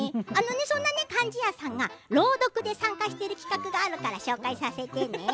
そんな貫地谷さんが朗読で参加している企画があるから紹介させてね。